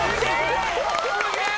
すげえ！